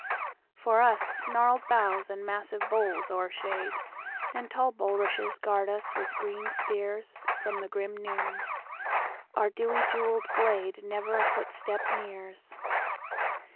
For us gnarled boughs and massive boles o'ershade, And tall bulrushes guard us with green spearsFrom the grim noon; our dewy jewelled gladeNever a footstep nears.